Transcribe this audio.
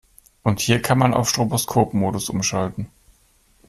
Und hier kann man auf Stroboskopmodus umschalten.